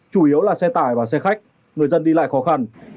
chủ yếu là xe tải và xe khách người dân đi lại khó khăn